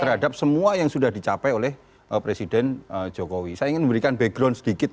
terhadap semua yang sudah dicapai oleh presiden jokowi saya ingin memberikan background sedikit